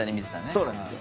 そうなんですよ。